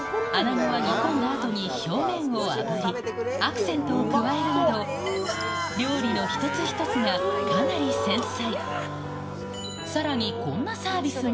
穴子は煮込んだあとに表面をあぶり、アクセントを加えるなど、料理の一つ一つがかなり繊細。